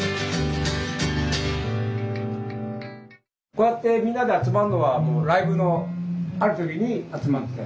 こうやってみんなで集まるのはライブのある時に集まって。